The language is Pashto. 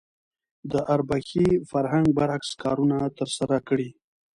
د اربکي فرهنګ برعکس کارونه ترسره کړي.